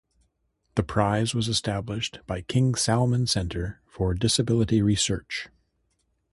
The prize was established by King Salman Center for Disability Research.